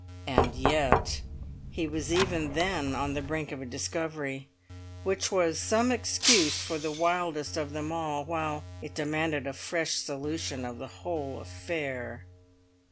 And yet he was even then on the brink of a discovery which was some excuse for the wildest of them all, while it demanded a fresh solution of the whole affair.